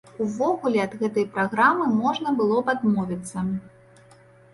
Увогуле, ад гэтай праграмы можна было б адмовіцца.